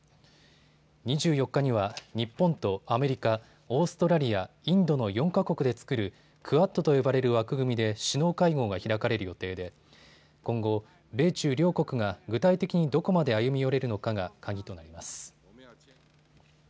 ２４日には日本とアメリカ、オーストラリア、インドの４か国で作るクアッドと呼ばれる枠組みで首脳会合が開かれる予定で今後、米中両国が具体的にどこまで歩み寄れるのかが鍵となります。